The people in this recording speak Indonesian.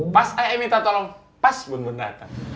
pas ay minta tolong pas bun bun dateng